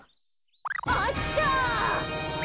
あった！